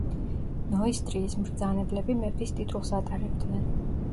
ნოისტრიის მბრძანებლები მეფის ტიტულს ატარებდნენ.